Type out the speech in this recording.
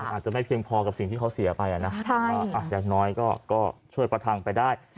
อาจจะไม่เพียงพอกับสิ่งที่เขาเสียไปนะอย่างน้อยก็ช่วยประทังไปได้